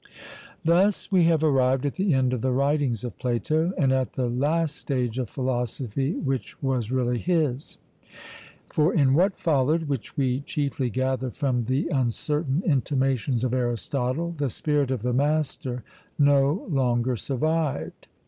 ... Thus we have arrived at the end of the writings of Plato, and at the last stage of philosophy which was really his. For in what followed, which we chiefly gather from the uncertain intimations of Aristotle, the spirit of the master no longer survived.